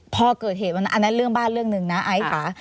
พอเกิดเหตุอันนั้นเรื่องบ้าเรื่องนึงนะไอฟังไอฟังค่ะ